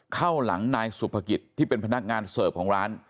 เข้าหลังนายสุภกิจที่เป็นพนักงานเสิร์ฟของร้าน